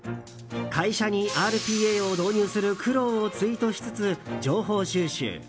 会社にＲＰＡを導入する苦労をツイートしつつ情報収集。